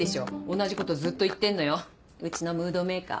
同じことずっと言ってんのようちのムードメーカー。